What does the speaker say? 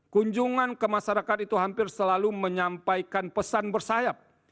kunjungan ke masyarakat itu hampir selalu menyampaikan pesan bersayap